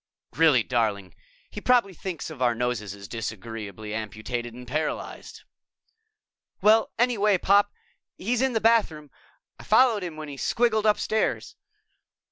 "Really, darling! He probably thinks of our noses as disagreeably amputated and paralyzed." "Well, anyway, Pop, he's in the bathroom. I followed him when he squiggled upstairs."